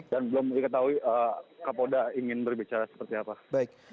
dan belum diketahui kapolda ingin berbicara seperti apa